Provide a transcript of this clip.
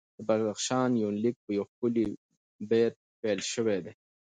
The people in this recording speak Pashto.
د بدخشان یونلیک په یو ښکلي بیت پیل شوی دی.